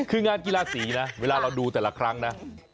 คืองานกีฬาสีนะเวลาเราดูแต่ละครั้งนะ